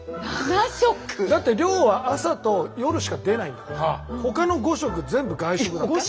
だって寮は朝と夜しか出ないんだからほかの５食全部外食だから。